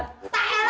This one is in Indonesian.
keluar lho keluar lho